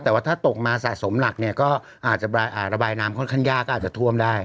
แต่ว่าถ้าตกมาสะสมหลักเนี่ยก็อาจจะระบายน้ำค่อนข้างยากก็อาจจะท่วมได้